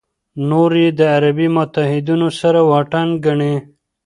نور یې د عربي متحدینو سره واټن ګڼي.